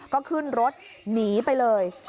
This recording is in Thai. ก็ขึ้นรถหนีไปเลย